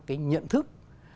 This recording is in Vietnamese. cái nhận thức